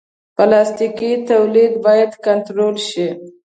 پلاستيکي تولید باید کنټرول شي.